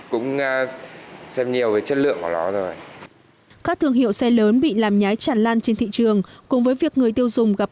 các thương hiệu xe lớn bị làm nhái chản lan trên thị trường cùng với việc người tiêu dùng gặp